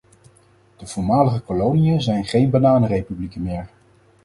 De voormalige koloniën zijn geen bananenrepublieken meer.